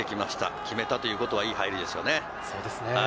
決めたということはいいことですね。